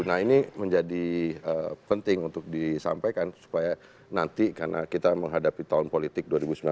nah ini menjadi penting untuk disampaikan supaya nanti karena kita menghadapi tahun politik dua ribu sembilan belas